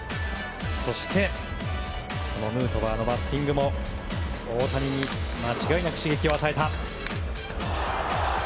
そして、そのヌートバーのバッティングも大谷に間違いなく刺激を与えた。